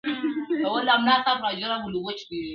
• اوس دا يم ځم له خپلي مېني څخه.